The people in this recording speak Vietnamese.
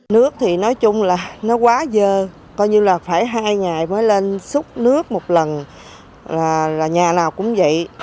nước thì nói chung là nó quá dơ coi như là phải hai ngày mới lên xúc nước một lần là nhà nào cũng vậy